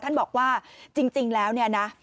ท่านบอกว่าจริงแล้วเนี่ยนะ